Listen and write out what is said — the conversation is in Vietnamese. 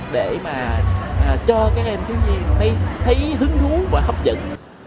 để mà cho các em thiếu nhi thấy hứng thú và hấp dẫn